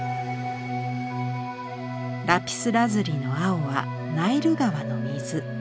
ラピスラズリの青はナイル川の水。